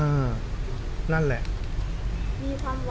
มีความหวังไหมครับว่ามันจะรักษาได้นะ